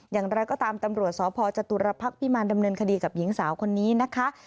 อย่างไรก็ตามตำรวจสพจตุรพักษ์พิมารดำเนินคดีกับหญิงสาวคนนี้นะคะ